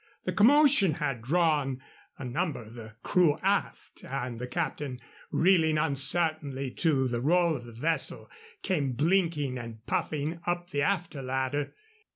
The commotion had drawn a number of the crew aft, and the captain, reeling uncertainly to the roll of the vessel, came blinking and puffing up the after ladder.